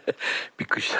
びっくりした。